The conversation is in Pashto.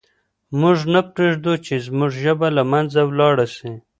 موږ نه پرېږدو چې زموږ ژبه له منځه ولاړه سي.